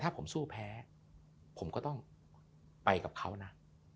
ถ้าผมสู้แพ้ผมก็ต้องไปกับเขานะ